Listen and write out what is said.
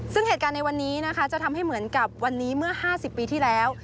ซึ่งเหตุการณ์ในวันนี้นะคะจะทำให้เหมือนกับวันนี้เมื่อ๕๐ปีที่แล้ว